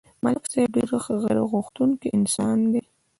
ملک صاحب ډېر خیرغوښتونکی انسان دی